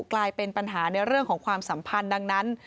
กลายเป็นปัญหาในเรื่องของความสัมพันธ์ดังนั้น